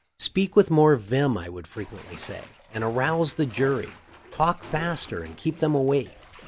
"Speak with more vim," I would frequently say, "and arouse the jury — talk faster and keep them awake".